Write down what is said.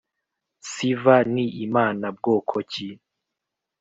siva ni imana bwoko ki?